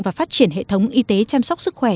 và phát triển hệ thống y tế chăm sóc sức khỏe